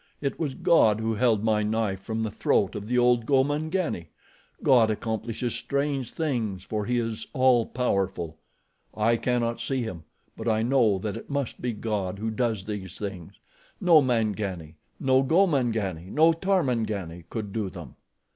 It was God who held my knife from the throat of the old Gomangani. God accomplishes strange things for he is 'all powerful.' I cannot see Him; but I know that it must be God who does these things. No Mangani, no Gomangani, no Tarmangani could do them."